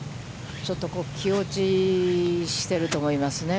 ちょっと気落ちしていると思いますね。